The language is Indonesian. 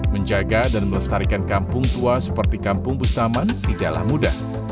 menjaga dan melestarikan kampung tua seperti kampung bustaman tidaklah mudah